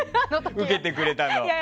受けてくれたのは。